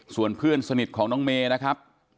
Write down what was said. ส่วนเพื่อนสนิทของน้องเมย์นะครับ